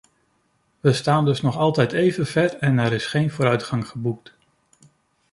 We staan dus nog altijd even ver en er is geen vooruitgang geboekt.